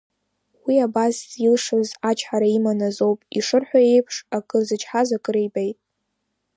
Уи абас зилшаз ачҳара иман азоуп, ишырҳәо еиԥш, акыр зычҳаз акыр ибеит.